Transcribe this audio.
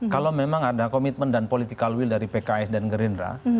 kalau memang ada komitmen dan political will dari pks dan gerindra